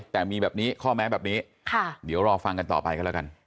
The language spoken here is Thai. แต่มีแบบนี้ข้อแม้แบบนี้เดี๋ยวรอฟังกันต่อไปกันแล้วกัน